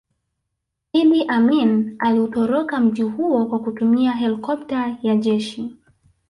Idi Amin aliutoroka mji huo kwa kutumia helikopta ya jeshi